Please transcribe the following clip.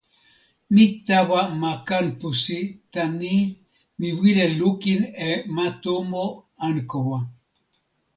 mi tawa ma Kanpusi tan ni: mi wile lukin e ma tomo Ankowa.